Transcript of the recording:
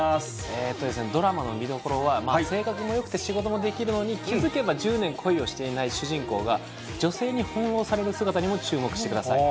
ドラマの見どころは、性格もよくて、仕事もできるのに気付けば１０年恋をしていない主人公が、女性に翻弄される姿にも注目してください。